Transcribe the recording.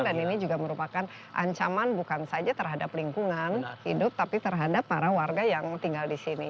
dan ini juga merupakan ancaman bukan saja terhadap lingkungan hidup tapi terhadap para warga yang tinggal di sini